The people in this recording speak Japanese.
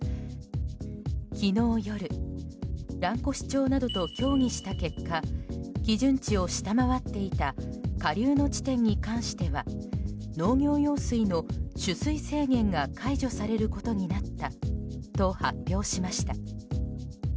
昨日夜蘭越町などと協議した結果基準値を下回っていた下流の地点に関しては農業用水の取水制限が解除されることになったと発表しました。